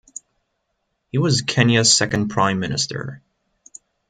He was Kenya's second Prime Minister.